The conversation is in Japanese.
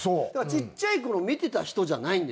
ちっちゃい頃見てた人じゃないんですよ。